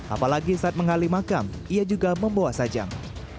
apalagi saat menghali makam ia juga membawa sajang